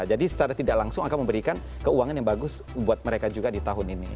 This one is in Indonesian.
jadi secara tidak langsung akan memberikan keuangan yang bagus buat mereka juga di tahun ini